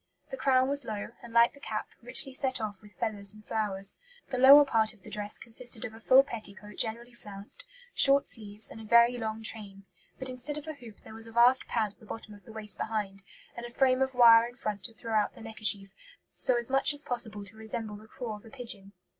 The crown was low, and, like the cap, richly set off with feathers and flowers. The lower part of the dress consisted of a full petticoat generally flounced, short sleeves, and a very long train; but instead of a hoop there was a vast pad at the bottom of the waist behind, and a frame of wire in front to throw out the neckerchief, so as much as possible to resemble the craw of a pigeon.